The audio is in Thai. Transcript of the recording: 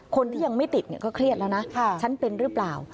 คนที่ยังไม่ติดก็เครียดแล้วนะฉันเป็นหรือเปล่า